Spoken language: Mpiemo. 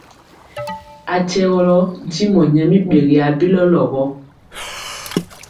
A kyɛgɔlɔ ntimɔ nyɛ mi ɓegi abilɔlɔ.